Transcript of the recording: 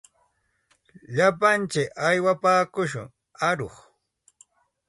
Lapantsik aywapaakushun aruq.